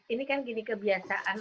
ini kan gini kebiasaan